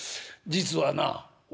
実はな」。